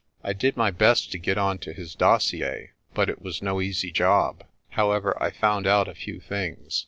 "I did my best to get on to his dossier, but it was no easy job. However, I found out a few things.